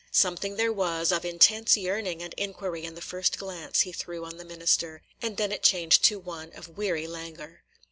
Something there was of intense yearning and inquiry in the first glance he threw on the minister, and then it changed to one of weary languor.